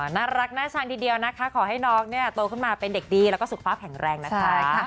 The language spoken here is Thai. น่ารักน่าชันดีนะคะขอให้น้องโตขึ้นมาเป็นเด็กดีและสุขภาพแข็งแรงนะคะ